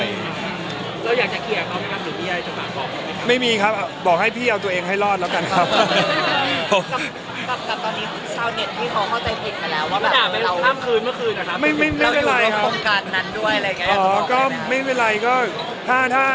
ใครมีหน้ากากอยากถ่ายให้เร็วจอบ